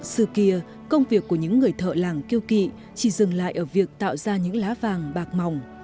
xưa kia công việc của những người thợ làng kêu kỵ chỉ dừng lại ở việc tạo ra những lá vàng bạc mỏng